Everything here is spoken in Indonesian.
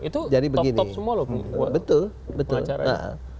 itu top top semua loh